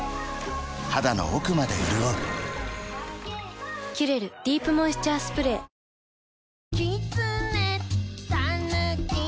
肌の奥まで潤う「キュレルディープモイスチャースプレー」あああい‼